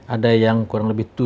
ada yang kurang lebih tujuh